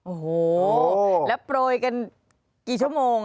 โอ้โหแล้วโปรยกันกี่ชั่วโมง